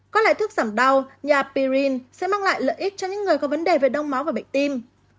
có lẽ thuốc giảm đau nhà pirin sẽ mang lại lợi ích cho những người có vấn đề về đau máu và bệnh tim